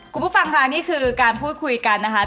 คุณผู้ชมฟังค่ะนี่คือการพูดคุยกันนะคะ